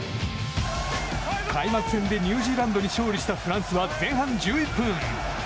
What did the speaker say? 開幕戦でニュージーランドに勝利したフランスは前半１１分。